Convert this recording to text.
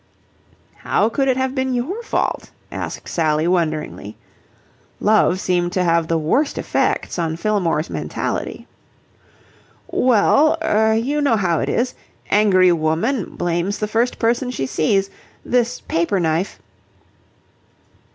"How could it have been your fault?" asked Sally wonderingly. Love seemed to have the worst effects on Fillmore's mentality. "Well er you know how it is. Angry woman... blames the first person she sees... This paper knife..."